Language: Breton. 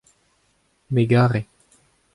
me 'gare.